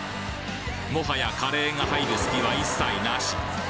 もはやカレーが入る隙は一切なし！